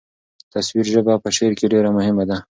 تصویري ژبه په شعر کې ډېره مهمه ده.